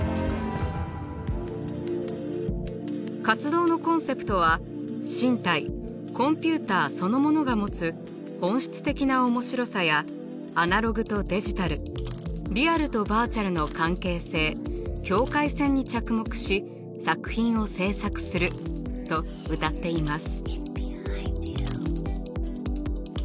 活動のコンセプトは「身体コンピューターそのものが持つ本質的な面白さやアナログとデジタルリアルとバーチャルの関係性境界線に着目し作品を制作する」とうたっています。